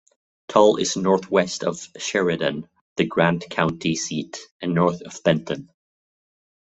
Tull is northwest of Sheridan, the Grant County seat, and south of Benton.